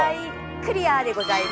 クリアでございます！